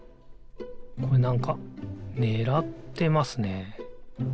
これなんかねらってますね。